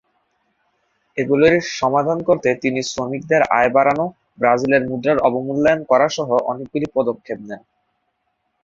এগুলির সমাধান করতে তিনি শ্রমিকদের আয় বাড়ানো, ব্রাজিলের মুদ্রার অবমূল্যায়ন করাসহ অনেকগুলি পদক্ষেপ নেন।